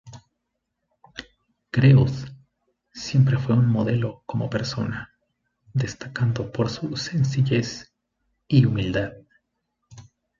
Creus siempre fue un modelo como persona, destacando por su sencillez y humildad.